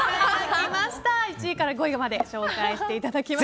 １位から５位まで紹介していただきました。